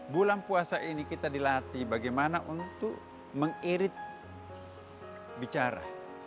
bulan puasa ini kita dilatih bagaimana untuk mengirit bicara